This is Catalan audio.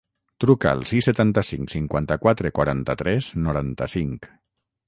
Truca al sis, setanta-cinc, cinquanta-quatre, quaranta-tres, noranta-cinc.